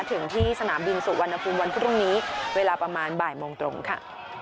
ถึงที่สนามบินสุวรรณภูมิวันพรุ่งนี้เวลาประมาณบ่ายโมงตรงค่ะ